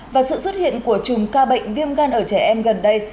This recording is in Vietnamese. và sự xuất hiện của chùm ca bệnh viêm gan ở trẻ em gần đây